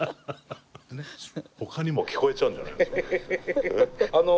ほかにも聞こえちゃうんじゃないの？